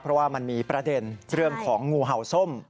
เพราะว่ามันมีประเด็นเรื่องของงูเห่าส้ม